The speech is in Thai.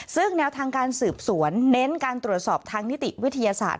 ซึ่งแนวทางการสืบสวนเน้นการตรวจสอบทางนิติวิทยาศาสตร์